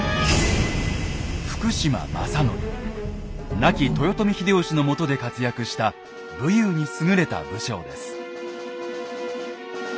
亡き豊臣秀吉のもとで活躍した武勇に優れた武将です。